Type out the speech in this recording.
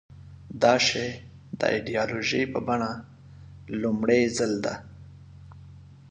دا شی د ایدیالوژۍ په بڼه لومړي ځل ده.